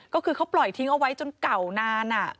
ก็คือเขาปล่อยทิ้งเอาไว้จนเก่านาน